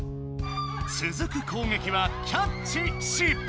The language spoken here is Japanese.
つづく攻撃はキャッチ失敗。